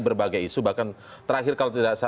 berbagai isu bahkan terakhir kalau tidak salah